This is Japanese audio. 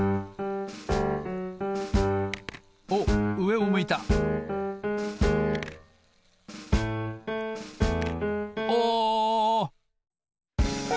おっうえを向いたお！